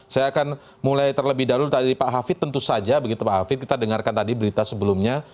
saya akan mulai terlebih dahulu tadi pak hafid tentu saja begitu pak hafid kita dengarkan tadi berita sebelumnya